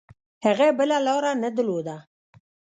هغه بله لاره نه درلوده.